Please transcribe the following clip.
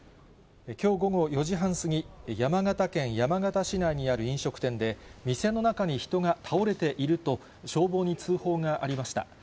きょう午後４時半過ぎ、山形県山形市内にある飲食店で、店の中に人が倒れていると、消防に通報がありました。